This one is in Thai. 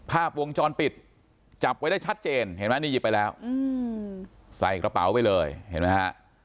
ภาพวงจรปิดจับไว้ได้ชัดเจนเห็นไหมนี่หยิบไปแล้วใส่กระเป๋าไปเลยเห็นไหมฮะ